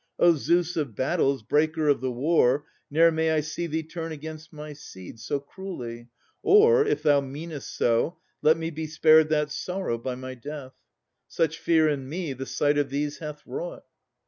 O Zeus of battles, breaker of the war, Ne'er may I see thee turn against my seed So cruelly; or, if thou meanest so, Let me be spared that sorrow by my death! Such fear in me the sight of these hath wrought.